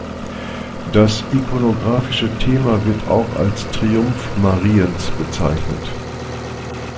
Das ikonographische Thema wird auch als „Triumph Mariens“ bezeichnet.